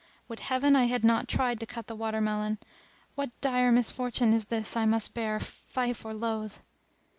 Would Heaven I had not tried to cut the watermelon. What dire misfortune is this I must bear lief or loath?